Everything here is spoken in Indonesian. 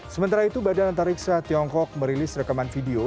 sementara itu badan antariksa tiongkok merilis rekaman video